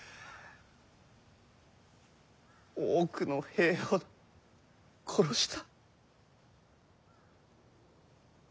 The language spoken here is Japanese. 多くの兵を殺した。